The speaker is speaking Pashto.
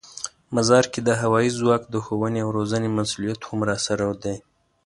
مزار کې د هوايي ځواک د ښوونې او روزنې مسوولیت هم راسره دی.